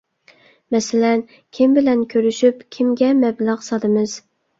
مەسىلەن، كىم بىلەن كۆرۈشۈپ، كىمگە مەبلەغ سالىمىز؟